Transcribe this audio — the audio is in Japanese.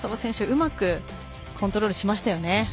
うまくコントロールしましたよね。